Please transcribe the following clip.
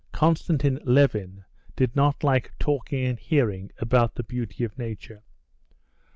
Konstantin Levin did not like talking and hearing about the beauty of nature.